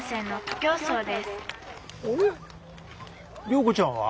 良子ちゃんは？